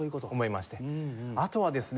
あとはですね